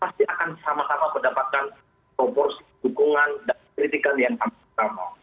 pasti akan sama sama mendapatkan proporsi dukungan dan kritikan yang sama